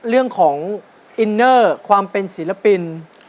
เรื่องของอินเนอร์ความเป็นศิลปิน